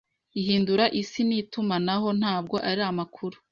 Ihindura isi ni itumanaho, ntabwo ari amakuru.